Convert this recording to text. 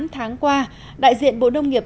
tám tháng qua đại diện bộ nông nghiệp